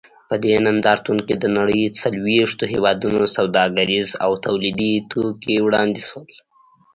په دې نندارتون کې د نړۍ څلوېښتو هېوادونو سوداګریز او تولیدي توکي وړاندې شول.